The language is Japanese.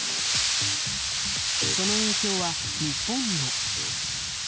その影響は日本にも。